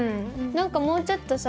なんかもうちょっとさ